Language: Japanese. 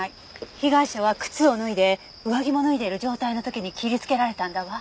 被害者は靴を脱いで上着も脱いでいる状態の時に切りつけられたんだわ。